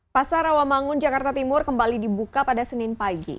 pasar rawamangun jakarta timur kembali dibuka pada senin pagi